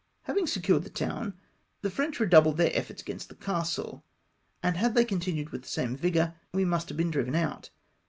Having secured the town, the French redoubled tlieu' efforts against the castle, and had they continued with the same vigour, we must have been driven out.